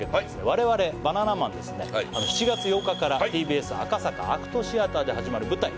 我々バナナマンですねはい７月８日からＴＢＳ赤坂ＡＣＴシアターで始まる舞台